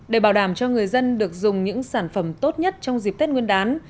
để bảo đảm cho người dân được dùng những sản phẩm tốt nhất trong dịp tết nguyên đán